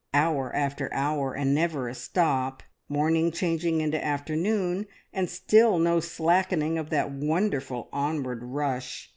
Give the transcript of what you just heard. Hour after hour and never a stop, morning changing into afternoon, and still no slackening of that wonderful onward rush.